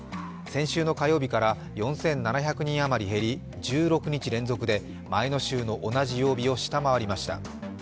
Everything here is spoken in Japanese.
先週の火曜日から４７００人あまり減り１６日連続で、前の週の同じ曜日を下回りました。